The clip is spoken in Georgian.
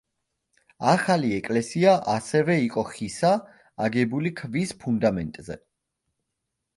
ახალი ეკლესია ასევე იყო ხისა, აგებული ქვის ფუნდამენტზე.